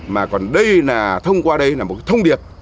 mà còn đây là thông qua đây là một cái thông điệp